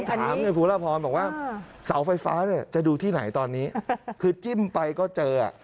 ถามคุณพุทธรพบอกว่าเสาไฟฟ้าจะดูที่ไหนตอนนี้คือจิ้มไปก็เจอ